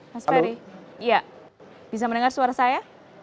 mas ferry bisa mendengar suara saya